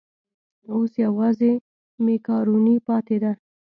اوس یوازې مېکاروني پاتې ده.